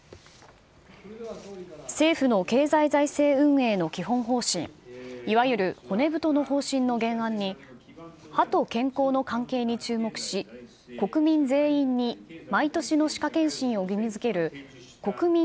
政府の経済財政運営の基本方針、いわゆる骨太の方針の原案に、歯と健康の関係に注目し、国民全員に毎年の歯科健診を義務づける、国民